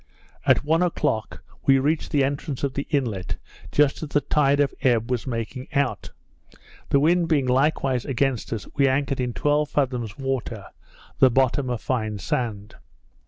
At one o'clock we reached the entrance of the inlet just as the tide of ebb was making out; the wind being likewise against us, we anchored in twelve fathoms water, the bottom a fine sand.